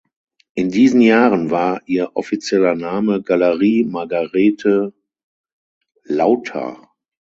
In diesen Jahren war ihr offizieller Name Galerie Margarete Lauter.